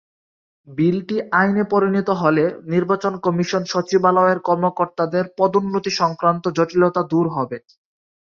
বিলটি আইনে পরিণত হলে নির্বাচন কমিশন সচিবালয়ের কর্মকর্তাদের পদোন্নতি-সংক্রান্ত জটিলতা দূর হবে।